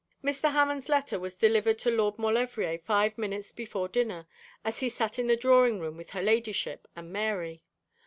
Mr. Hammond's letter was delivered to Lord Maulevrier five minutes before dinner, as he sat in the drawing room with her ladyship and Mary.